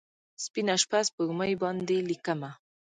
سپینه شپه، سپوږمۍ باندې لیکمه